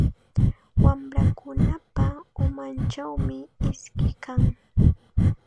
Wamrakunapa umanchawmi iski kan.